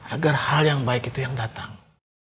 agar hal yang baik itu yang datang